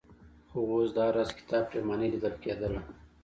خو اوس د هر راز کتاب پرېماني لیدل کېدله.